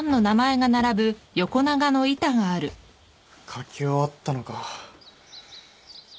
書き終わったのか。